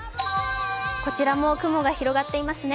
こちらも雲が広がっていますね。